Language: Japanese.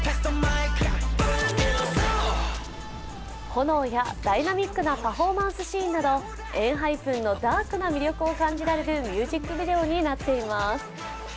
炎やダイナミックなパフォーマンスシーンなどＥＮＨＹＰＥＮのダークな魅力を感じられるミュージックビデオになっています。